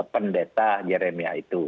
pendeta jeremia itu